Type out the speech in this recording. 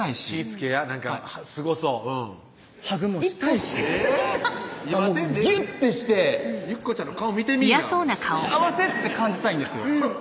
つけやなんかすごそうハグもしたいしえぇっもうギュッてしてゆっこちゃんの顔見てみぃな幸せって感じたいんですよ